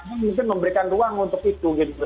mungkin memberikan ruang untuk itu gitu